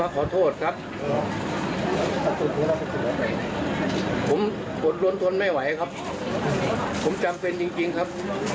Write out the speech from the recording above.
ผมกดล้นทนไม่ไหวครับผมจำเป็นจริงครับ